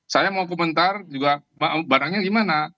saya mau komentar juga barangnya gimana